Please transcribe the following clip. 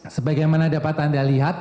sebagai mana dapat anda lihat